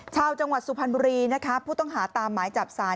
ชาวจังหวัดสุพรรณบุรีนะคะผู้ต้องหาตามหมายจับศาล